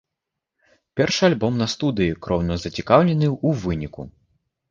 Першы альбом на студыі, кроўна зацікаўленыя ў выніку.